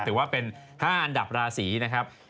ถือว่าเป็น๕อันดับราศีนะครับ